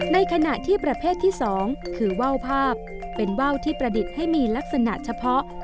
ในขณะที่ประเภทที่๒คือว่าวภาพเป็นว่าวที่ประดิษฐ์ให้มีลักษณะเฉพาะ